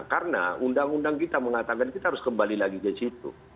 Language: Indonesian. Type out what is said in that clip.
karena undang undang kita mengatakan kita harus kembali lagi ke situ